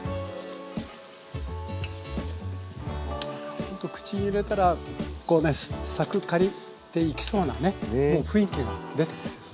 ほんと口に入れたらこうねサクッカリッていきそうなねもう雰囲気が出てますよね。